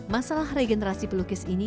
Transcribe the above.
masalah regenerasi pelukis ini